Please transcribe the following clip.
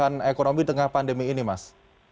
pemulihan ekonomi di tengah pandemi ini mas